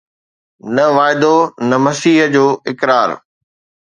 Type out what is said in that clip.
نه واعدو، نه مسيح جو اقرار